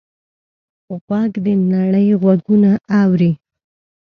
غوږ د نړۍ غږونه اوري.